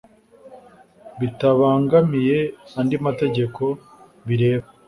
bitabangamiye andi mategeko bireba